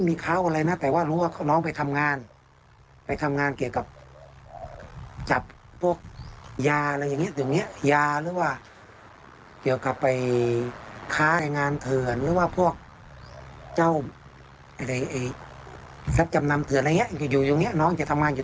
มองว่าเกี่ยวกับเรื่องงานนั่นแหละแต่ว่าไปโดนอะไรเราไม่รู้